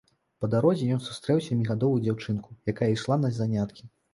Па дарозе ён сустрэў сямігадовую дзяўчынку, якая ішла на заняткі.